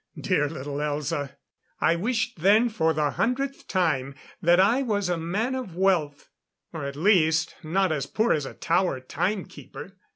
Dear little Elza! I wished then, for the hundredth time, that I was a man of wealth or at least, not as poor as a tower timekeeper.